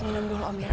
jalan dulu om ya